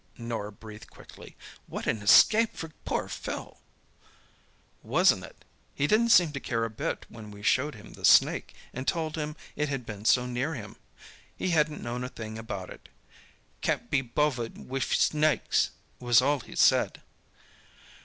Norah breathed quickly. "What an escape for poor Phil!" "Wasn't it? He didn't seem to care a bit when we showed him the snake and told him it had been so near him—he hadn't known a thing about it. 'Can't be bovvered wiv snakes,' was all he said."